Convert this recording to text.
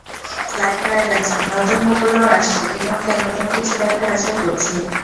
Clive Lloyd আছেন, নতুন মুখগুলোও আসছে—দিগন্তে নতুন কিছু দেখার আশাই করছি।